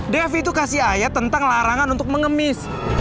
devi memberikan ayat tentang larangan untuk mengemis